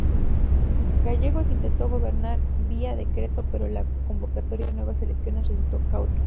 Gallegos intentó gobernar vía decreto, pero la convocatoria a nuevas elecciones resultó caótica.